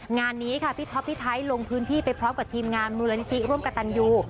งานนี้ค่ะพี่ท็อปพี่ไทยลงพื้นที่ไปพร้อมกับทีมงานมูลนิธิร่วมกับตันยู